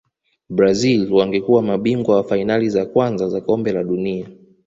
brazil wangekuwa mabingwa wa fainali za kwanza za kombe la dunia